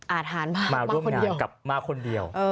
อาทานมาคนเดียว